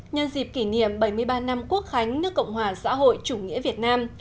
nhân dịp kỷ niệm bảy mươi ba năm quốc khánh nước cộng hòa xã hội chủ nghĩa việt nam